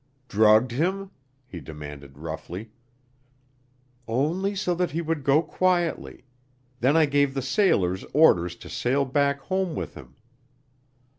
"Drugged him?" he demanded roughly. "Only so that he would go quietly. Then I gave the sailors orders to sail back home with him."